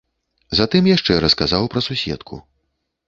Затым яшчэ расказаў пра суседку.